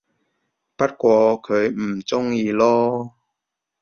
不過佢唔鍾意囉